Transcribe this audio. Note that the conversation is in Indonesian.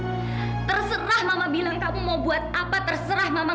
kamu tak ada apa apa kesalahan disamakan dan kamu berusaha mencari orang lain